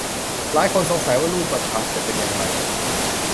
หลายคนสงสัยว่ารูปธรรมจะเป็นอย่างไร